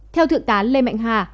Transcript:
theo thượng tá lê mạnh hà